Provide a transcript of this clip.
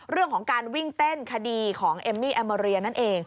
เรื่องของการวิ่งเต้นคดีของเอมมี่แอมมาเรียนั่นเอง